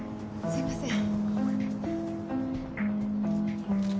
すいません。